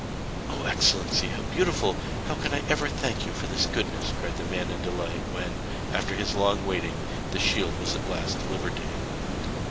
'Oh Excellency! how beautiful! how can I ever thank you for your goodness?' cried the man in delight when, after his long waiting, the shield was at last delivered to him.